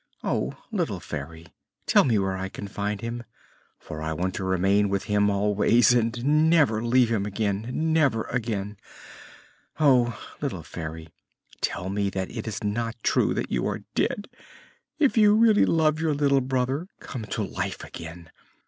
Oh, little Fairy, tell me where I can find him, for I want to remain with him always and never leave him again, never again! Oh, little Fairy, tell me that it is not true that you are dead! If you really love your little brother, come to life again.